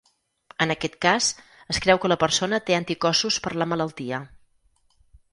En aquest cas, es creu que la persona té anticossos per la malaltia.